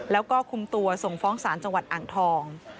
แล้วก็คุมตัวส่งฟ้องศาลจังหวัดอ่างทอง